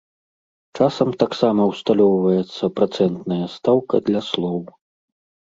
Часам таксама ўсталёўваецца працэнтная стаўка для слоў.